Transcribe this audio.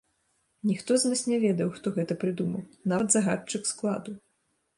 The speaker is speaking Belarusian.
Ніхто з нас не ведаў, хто гэта прыдумаў, нават загадчык складу.